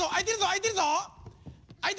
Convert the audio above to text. あいてるぞ！